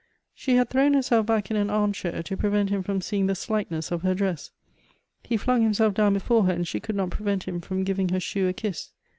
She had thrown heraelf back in an arm chair, to prevent ■him from seeing the slightness of her dress. He flung himself down before her, and she could not prevent him from giving her shoe a kiss.